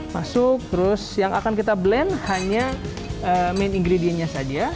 masuk terus yang akan kita blend hanya main ingredientnya saja